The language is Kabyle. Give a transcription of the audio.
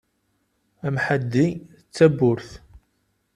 Amḥaddi d tabburt.